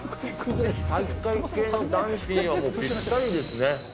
体育会系の男子にはもうぴったりですね。